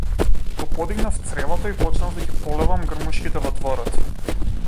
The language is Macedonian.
Го подигнав цревото и почнав да ги полевам грмушките во дворот.